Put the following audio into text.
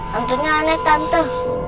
hantunya aneh tante